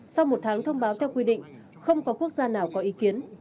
sau một tháng thông báo theo quy định không có quốc gia nào có ý kiến